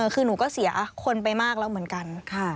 คือหนูก็เสียคนไปมากแล้วเหมือนกัน